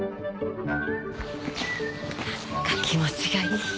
何か気持ちがいい。